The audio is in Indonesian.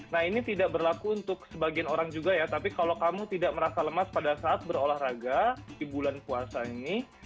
nah ini tidak berlaku untuk sebagian orang juga ya tapi kalau kamu tidak merasa lemas pada saat berolahraga di bulan puasa ini